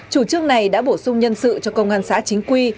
chủ trương này đã bổ sung nhân sự cho công an xã chính quy